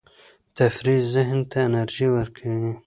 تفریح ذهن ته انرژي ورکوي.